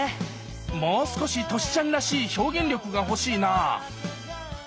もう少しトシちゃんらしい表現力が欲しいな！